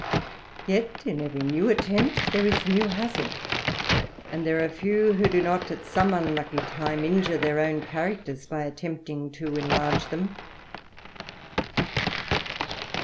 Vet in wciy new attempt there is new hazard, and there are few who do not at some unlucky time, injure their own •Asraclers by attempting to enlarge them.